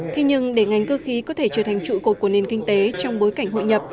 thế nhưng để ngành cơ khí có thể trở thành trụ cột của nền kinh tế trong bối cảnh hội nhập